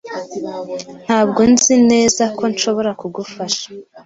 Ntabwo nzi neza ko nshobora kugufasha.